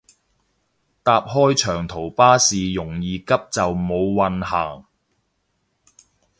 搭開長途巴士容易急就冇運行